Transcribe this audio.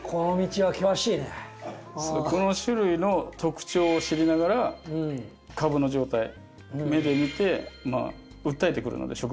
この種類の特徴を知りながら株の状態目で見て訴えてくるので植物が。